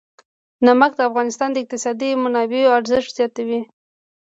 نمک د افغانستان د اقتصادي منابعو ارزښت زیاتوي.